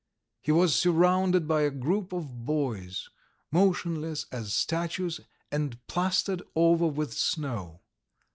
He was surrounded by a group of boys, motionless as statues, and plastered over with snow.